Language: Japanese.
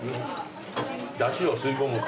だしを吸い込む。